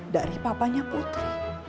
dari papanya putri